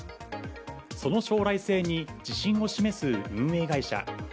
その将来性に自信を示す運営会社。